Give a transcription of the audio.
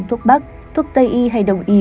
thuốc bắc thuốc tây y hay đông y